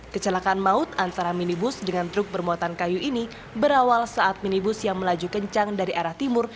kecelakaan maut antara minibus dengan truk bermuatan kayu ini berawal saat minibus yang melaju kencang dari arah timur